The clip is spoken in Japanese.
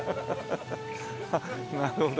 なるほど。